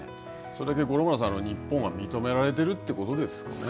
それだけ日本は認められているということですかね。